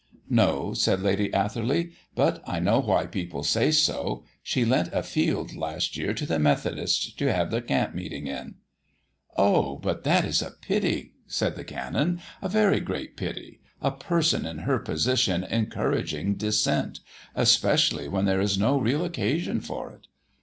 "No," said Lady Atherley. "But I know why people say so. She lent a field last year to the Methodists to have their camp meeting in." "Oh! but that is a pity," said the Canon. "A very great pity a person in her position encouraging dissent, especially when there is no real occasion for it.